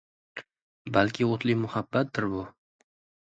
Balki o‘tli muhabbatdir bu!